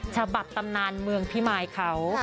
ฉบับตำนานเมืองพิมายเขา